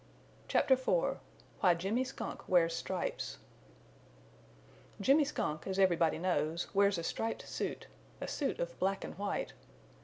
CHAPTER IV WHY JIMMY SKUNK WEARS STRIPES Jimmy Skunk, as everybody knows, wears a striped suit, a suit of black and white.